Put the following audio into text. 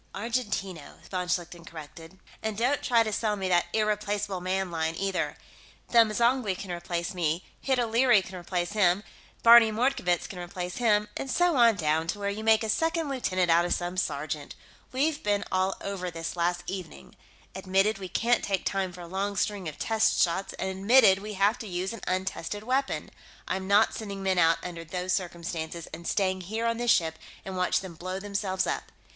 "Argentino," von Schlichten corrected. "And don't try to sell me that Irreplaceable Man line, either. Them M'zangwe can replace me, Hid O'Leary can replace him, Barney Mordkovitz can replace him, and so on down to where you make a second lieutenant out of some sergeant. We've been all over this last evening. Admitted we can't take time for a long string of test shots, and admitted we have to use an untested weapon; I'm not sending men out under those circumstances and staying here on this ship and watch them blow themselves up.